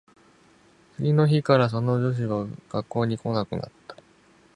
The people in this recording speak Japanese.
次の日からその女子は学校に来なくなった